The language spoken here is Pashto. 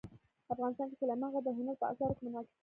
افغانستان کې سلیمان غر د هنر په اثارو کې منعکس کېږي.